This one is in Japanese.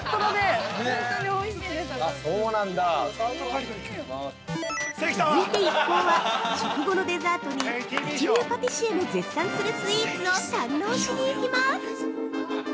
◆続いて一行は、食後のデザートに、一流パティシエも絶賛するスイーツを堪能しに行きます！